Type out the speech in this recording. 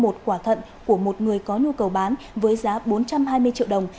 một quả thận của một người có nhu cầu bán với giá bốn trăm hai mươi triệu đồng